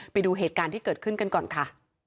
ไปดูเหตุการณ์ที่เกิดขึ้นกันก่อนค่ะ